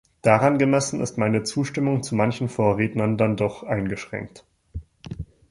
Daran gemessen ist meine Zustimmung zu manchen Vorrednern dann doch eingeschränkt.